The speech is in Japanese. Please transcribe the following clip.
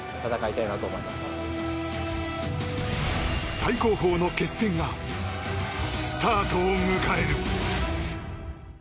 最高峰の決戦がスタートを迎える。